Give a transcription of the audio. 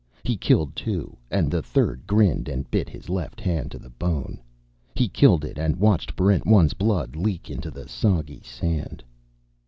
He killed two, and the third grinned and bit his left hand to the bone. He killed it, and watched Barrent 1's blood leak into the soggy sand....